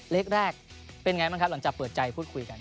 เลขแรกเป็นไงบ้างครับหลังจากเปิดใจพูดคุยกัน